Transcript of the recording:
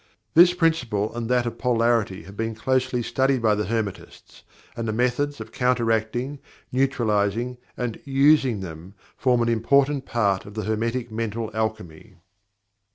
This Principle and that of Polarity have been closely studied by the Hermetists, and the methods of counteracting, neutralizing, and USING them form an important part of the Hermetic Mental Alchemy.